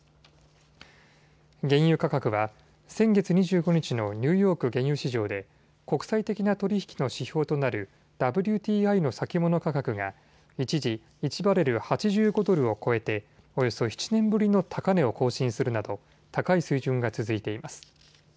原油価格は先月２９日のニューヨーク原油市場で国際的な取り引きの指標となるＷＴＩの先物価格が一時、１バレル８５ドルを超えておよそ７年ぶりの高値を更新するなど高い水準が続いています。